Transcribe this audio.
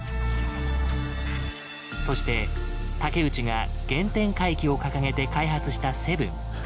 そして竹内が原点回帰を掲げて開発した「７」。